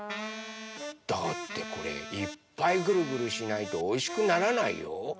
だってこれいっぱいグルグルしないとおいしくならないよ。